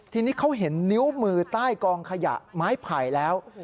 ทีนี้เขาเห็นนิ้วมือใต้กองขยะไม้ไผ่แล้ว